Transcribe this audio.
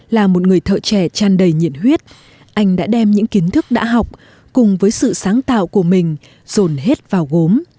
là một người thợ trẻ tràn đầy nhiệt huyết anh đã đem những kiến thức đã học cùng với sự sáng tạo của mình dồn hết vào gốm